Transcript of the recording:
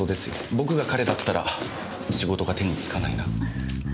僕が彼だったら仕事が手につかないな。